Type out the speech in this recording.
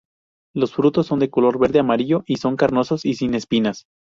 Los frutos son de color verde a amarillo y son carnosos y sin espinas.